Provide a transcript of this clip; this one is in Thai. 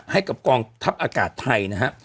ให้กับกองทัพอากาศไทยนะฮะ